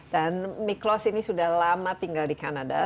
dan miklos ini sudah lama tinggal di kanada